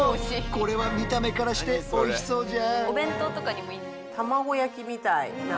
これは見た目からしておいしそうじゃ。